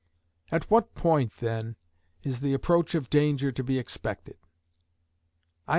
At what point, then, is the approach of danger to be expected?